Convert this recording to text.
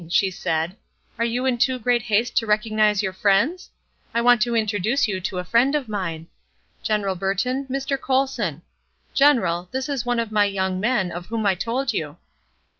she said. "Are you in too great haste to recognize your friends? I want to introduce you to a friend of mine. General Burton, Mr. Colson. General, this is one of my young men, of whom I told you."